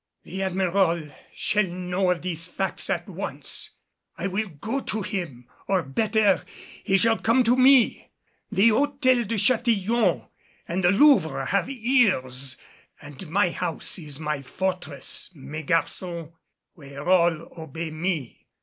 "The Admiral shall know of these facts at once. I will go to him or better he shall come to me. The Hôtel de Châtillon and the Louvre have ears and my house is my fortress, mes garçons, where all obey me.